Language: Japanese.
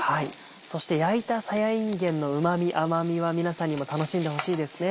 そして焼いたさやいんげんのうま味甘味は皆さんにも楽しんでほしいですね。